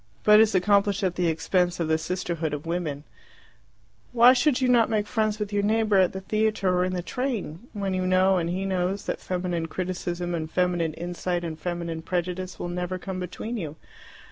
But is accomplished at the expense of the sisterhood of women. Why should you not make friends with your neighbour at the theatre or in the train, when you know and he knows that feminine criticism and feminine insight and feminine prejudice will never come between you?